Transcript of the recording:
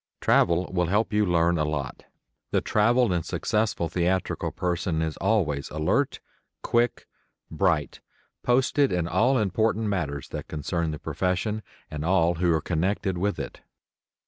Travel will help you learn a lot. The traveled and successful theatrical person is always alert, quick, bright, posted in all important matters that concern the profession and all who are connected with it.